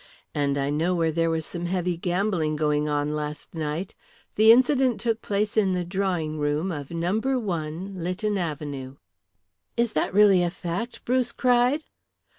And I know where there was some heavy gambling going on last night. The incident took place in the drawing room of No. 1, Lytton Avenue." "Is that really a fact?" Bruce cried.